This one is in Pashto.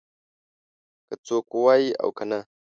که څوک ووايي او که نه.